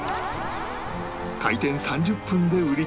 開店３０分で売り切れ！